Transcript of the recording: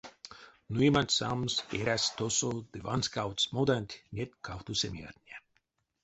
Нуеманть самс эрясть тосо ды ванськавтсть моданть неть кавто семиятне.